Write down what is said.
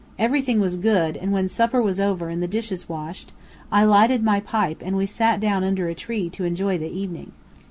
Everything was good, and when supper was over and the dishes washed, I lighted my pipe and we sat down under a tree to enjoy the evening.